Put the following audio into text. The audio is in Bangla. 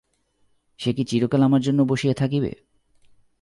সে কি চিরকাল আমার জন্য বসিয়া থাকিবে।